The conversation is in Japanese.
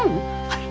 はい。